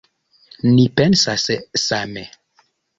Ni pensas same.